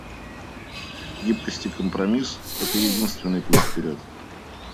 Гибкость и компромисс — это единственный путь вперед.